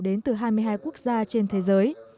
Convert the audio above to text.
đến từ hai mươi hai quốc gia trên thế giới